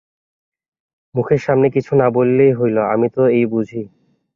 মুখের সামনে কিছু না বলিলেই হইল, আমি তো এই বুঝি।